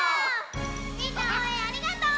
みんなおうえんありがとう！